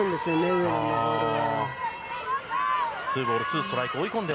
上野のボールが。